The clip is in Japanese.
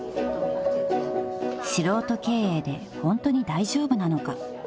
［素人経営でホントに大丈夫なのか？］